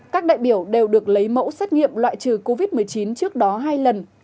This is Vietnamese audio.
các đại biểu đều được lấy mẫu xét nghiệm loại trừ covid một mươi chín trước đó hai lần